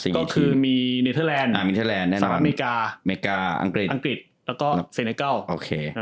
ก็คือมีเซนเมริกาเมริกาอังกฤษอังกฤษแล้วก็